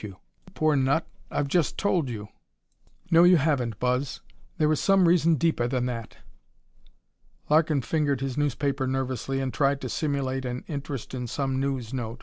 "You poor nut! I've just told you." "No you haven't, Buzz. There is some reason deeper than that." Larkin fingered his newspaper nervously and tried to simulate an interest in some news note.